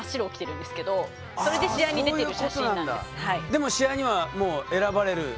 でも試合にはもう選ばれる？